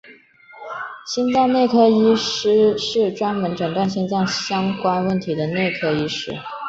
心脏内科医师是专门诊断心脏相关问题的内科医师。